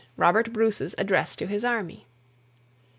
ROBERT BRUCE'S ADDRESS TO HIS ARMY.